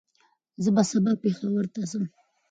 زه به سبا پېښور ته ځم